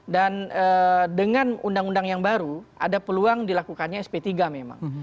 dan dengan undang undang yang baru ada peluang dilakukannya sp tiga memang